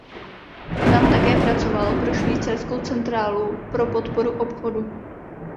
Tam také pracoval pro Švýcarskou centrálu pro podporu obchodu.